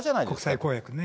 国際公約ね。